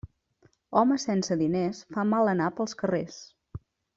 Home sense diners fa mal anar pels carrers.